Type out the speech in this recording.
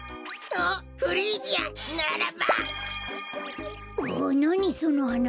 あなにそのはな？